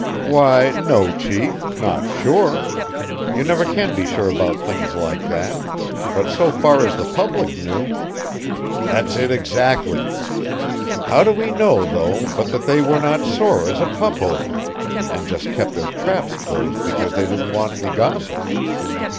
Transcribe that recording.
"Why, no, chief; not sure. You never can be sure about things like that; but so far as the public knew " "That's it, exactly. How do we know, though, but what they were sore as a pup over it, and just kept their traps closed because they didn't want any gossip?